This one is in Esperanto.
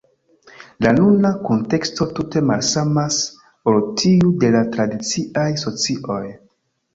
La nuna kunteksto tute malsamas ol tiu de la tradiciaj socioj.